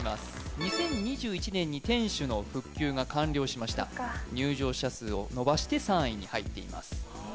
２０２１年に天守の復旧が完了しました入場者数を伸ばして３位に入っています